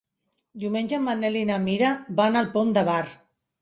Diumenge en Manel i na Mira van al Pont de Bar.